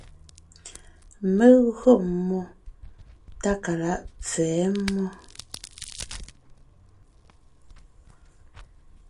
Mé gÿo mmó Tákalaʼ pfɛ̌ mmó.